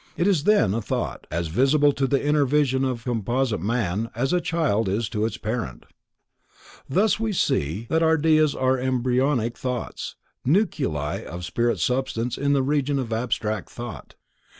It is then a thought, as visible to the inner vision of composite man, as a child is to its parent. Thus we see that ideas are embryonic thoughts, nuclei of spirit substance from the Region of abstract Thought.